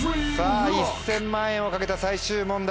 １０００万円を懸けた最終問題